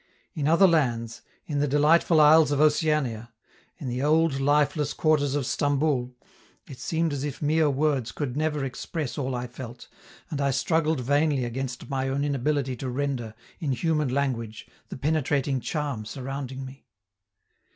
In other lands, in the delightful isles of Oceania, in the old, lifeless quarters of Stamboul, it seemed as if mere words could never express all I felt, and I struggled vainly against my own inability to render, in human language, the penetrating charm surrounding me.